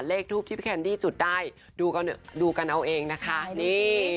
เลขทูปที่พี่แคนดี้จุดได้ดูกันดูกันเอาเองนะคะนี่